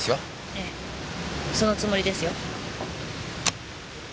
ええそのつもりですよ。